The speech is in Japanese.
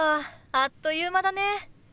あっという間だね。